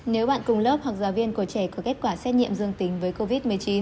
nếu bạn cùng lớp hoặc giáo viên của trẻ có kết quả xét nghiệm dương tính với covid một mươi chín